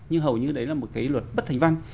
nhưng hầu như đấy là một cái luật bất thành văn